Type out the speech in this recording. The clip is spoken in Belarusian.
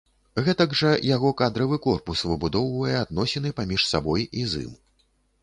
Гэтак жа яго кадравы корпус выбудоўвае адносіны паміж сабой і з ім.